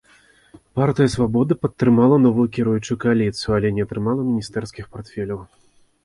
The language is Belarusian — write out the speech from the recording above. Партыя свабоды падтрымала новую кіруючую кааліцыю, але не атрымала міністэрскіх партфеляў.